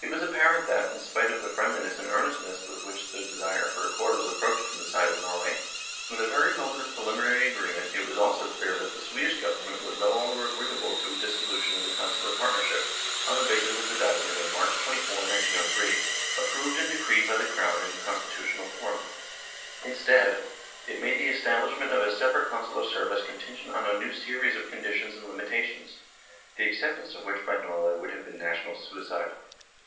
It was apparent that, in spite of the friendliness and earnestness with which the desire for accord was approached from the side of Norway, from the very moment of the preliminary agreement, it was also clear that the Swedish Govern ment was no longer agreeable to a dissolution of the Consular partnership on the basis of the document of March 24, 1903, approved and decreed by the Crown ? in constitutional form. Instead, it made the estab lishment of a separate Consular service contingent on a new series of conditions and limitations, the accept ance of which by Norway would have been national suicide.